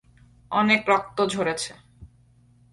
অনেক রক্ত ঝরেছে।